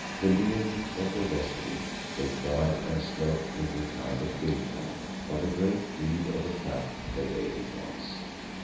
The lean, what there was of it, they dried and smoked into a kind of "biltong," but a great deal of the fat they ate at once.